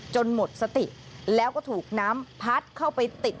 หมดสติแล้วก็ถูกน้ำพัดเข้าไปติด